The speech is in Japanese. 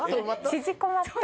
・縮こまった。